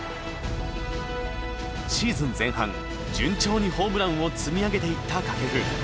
シーズン前半順調にホームランを積み上げていった掛布。